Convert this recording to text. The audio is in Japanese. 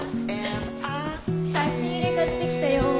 差し入れ買ってきたよ。